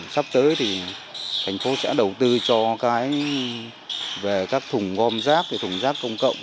sắp tới thì thành phố sẽ đầu tư cho cái về các thùng gom rác về thùng rác công cộng